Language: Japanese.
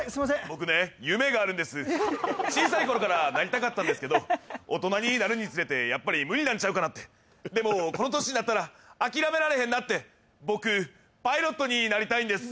僕ね夢があるんです小さい頃からなりたかったんですけど大人になるにつれてやっぱり無理なんちゃうかなってでもこの年になったら諦められへんなって僕パイロットになりたいんです